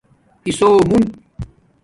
اسُومُونگ